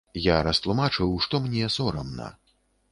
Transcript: Я растлумачыў, што мне сорамна.